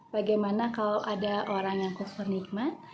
bagaimana kalau ada orang yang kufur nikmat